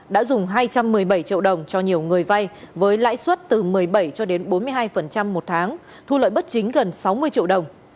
đã dùng hai trăm một mươi bảy triệu đồng cho nhiều người vay với lãi suất từ một mươi bảy cho đến bốn mươi hai một tháng thu lợi bất chính gần sáu mươi triệu đồng